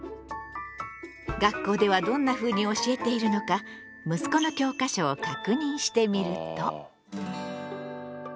学校ではどんなふうに教えているのか息子の教科書を確認してみると。